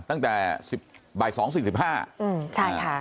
ตั้งแต่บ่ายสองสิบห้า